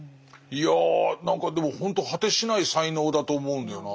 いや何かでもほんと果てしない才能だと思うんだよな。